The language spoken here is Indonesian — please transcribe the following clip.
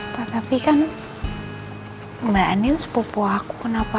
pak tapi kan mbak anit sepupu aku